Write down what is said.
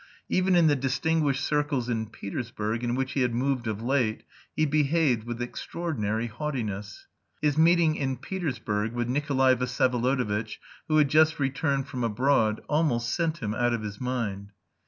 Even in the distinguished circles in Petersburg, in which he had moved of late, he behaved with extraordinary haughtiness. His meeting in Petersburg with Nikolay Vsyevolodovitch, who had just returned from abroad, almost sent him out of his mind.